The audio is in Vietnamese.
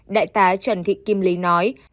đại tá trần thị kim lý nói